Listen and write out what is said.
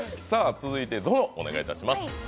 続いてゾノ、お願いいたします。